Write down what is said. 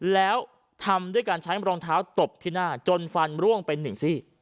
แล้วทำด้วยการใช้รองเท้าตบที่หน้าจนฟันร่วงไปหนึ่งซี่